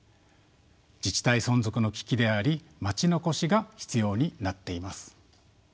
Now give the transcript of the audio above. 自治体存続の危機であり「まちのこし」が必要になっています。